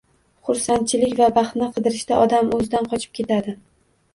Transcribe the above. Xursandchilik va baxtni qidirishda odam o'zidan qochib ketadi